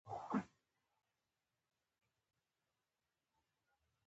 هغه سل په سلو کې ګټه کړې وه.